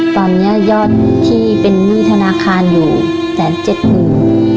ตอนนี้ยอดที่เป็นหนี้ธนาคารอยู่แสนเจ็ดหมื่น